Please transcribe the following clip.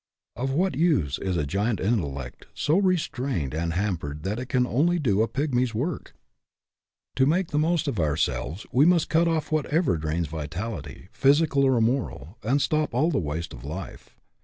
Of what use is a giant intellect so restrained and hampered that it can only do a pygmy's work ? To make the most of ourselves, we must FREEDOM AT ANY COST 53 cut off whatever drains vitality physical or moral and stop all the waste of life.